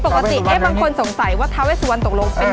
ปกติเอ๊ะบางคนสงสัยว่าท้าเวสวันตกลงเอ่อ